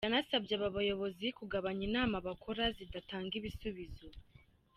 Yanasabye aba bayobozi kugabanya inama bakora zidatanga ibisubizo.